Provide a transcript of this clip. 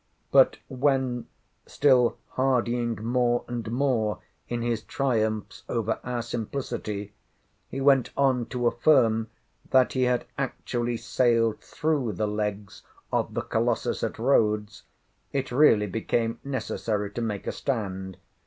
But when (still hardying more and more in his triumphs over our simplicity) he went on to affirm that he had actually sailed through the legs of the Colossus at Rhodes, it really became necessary to make a stand.